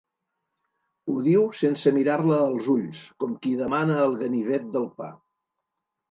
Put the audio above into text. Ho diu sense mirar-la als ulls, com qui demana el ganivet del pa.